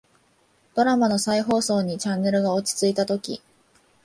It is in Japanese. ドラマの再放送にチャンネルが落ち着いたとき、